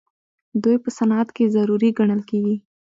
دوی په صنعت کې ضروري ګڼل کیږي.